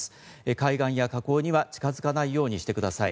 海岸や河口には近づかないようにしてください。